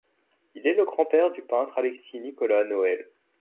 Il est le grand-père du peintre Alexis Nicolas Noël.